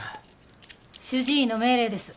主治医の命令です。